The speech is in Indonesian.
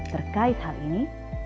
terkait hal ini